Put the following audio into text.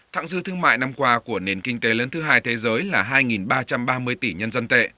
thẳng dư thương mại năm qua của nền kinh tế lớn thứ hai thế giới là hai ba trăm ba mươi tỷ nhân dân tệ